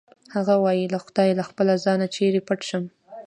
هغه وایی خدایه له خپله ځانه چېرې پټ شم